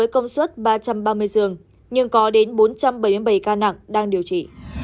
công suất ba trăm ba mươi giường nhưng có đến bốn trăm bảy mươi bảy ca nặng đang điều trị